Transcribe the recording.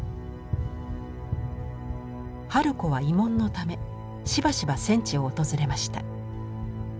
春子は慰問のためしばしば戦地を訪れました。